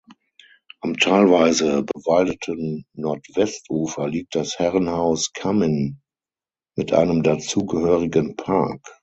Am teilweise bewaldeten Nordwestufer liegt das Herrenhaus Cammin mit einem dazugehörigen Park.